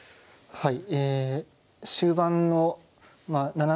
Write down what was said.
はい。